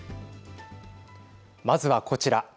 まずは、こちら。